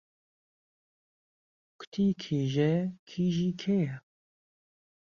کوتی کیژێ کیژی کێیه